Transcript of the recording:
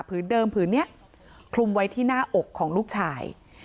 เดิมผืนนี้คลุมไว้ที่หน้าอกของลูกชาย